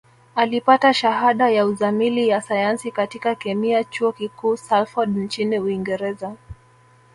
Alipata Shahada ya Uzamili ya Sayansi katika Kemia Chuo Kikuu Salford nchini Uingereza